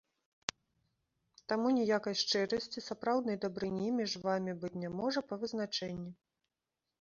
Таму ніякай шчырасці, сапраўднай дабрыні між вамі быць не можа па вызначэнні.